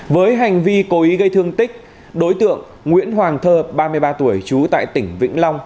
với hành vi cố ý gây thương tích đối tượng nguyễn hoàng thơ ba mươi ba tuổi trú tại tỉnh vĩnh long